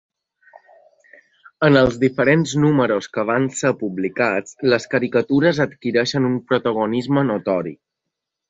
En els diferents números que van ser publicats, les caricatures adquireixen un protagonisme notori.